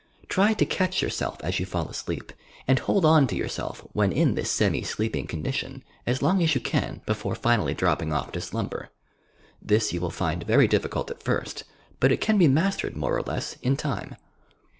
Try to catch your self as you fall asleep and hold on to yourself when in this semi sleeping condition as long as you can, before finally dropping off to slumber. This you will find very difficult at first, but it can be mastered more or leas in time.